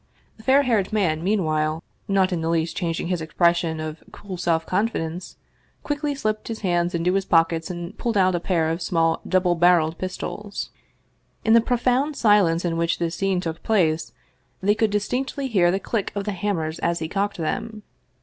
The fair haired man meanwhile, not in the least chang ing his expression of cool self confidence, quickly slipped his hands into his pockets and pulled out a pair of small double barreled pistols. In the profound silence in which this scene took place they could distinctly hear the click of the hammers as he cocked them.